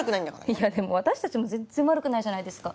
いやでも私たちも全然悪くないじゃないですか。